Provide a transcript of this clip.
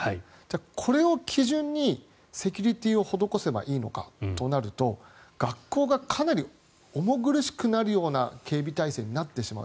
これを基準にセキュリティーを施せばいいのかとなると学校がかなり重苦しくなるような警備体制になってしまう。